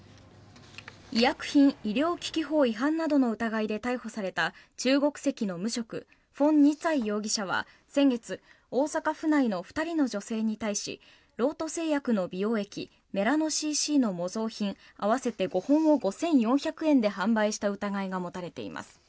医薬品医療機器法違反などの疑いで逮捕された中国籍の無職フォン・ニツァイ容疑者は先月大阪府内の２人の女性に対しロート製薬の美容液メラノＣＣの模造品合わせて５本を５４００円で販売した疑いが持たれています。